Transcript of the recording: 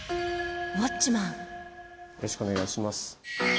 よろしくお願いします。